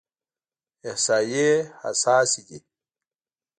احصایې حساسې دي.